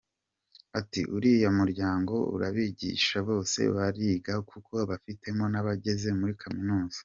Ati “Uriya muryango urabigisha, bose bariga kuko bafitemo n’abageze muri Kaminuza.